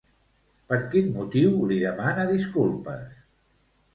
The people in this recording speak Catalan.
Per quin motiu li demana disculpes?